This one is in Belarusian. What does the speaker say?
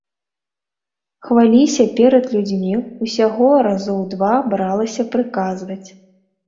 Хваліся перад людзьмі ўсяго разоў два бралася прыказваць.